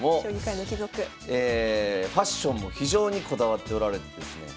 ファッションも非常にこだわっておられてですね。